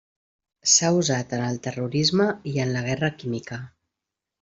S'ha usat en el terrorisme i en la guerra química.